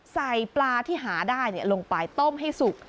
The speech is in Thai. ใส่ปลาที่หาได้ลงไปต้มให้สุก